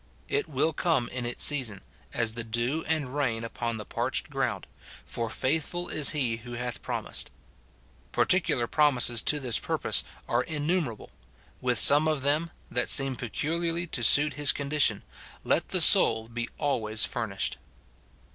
It will come in its season, as the dew and rain upon the parched ground ; for faithful is he who hath promised. Particular promises to this purpose are innumerable ; with some of them, that seem peculiarly to suit his con dition, let the soul be always furnished.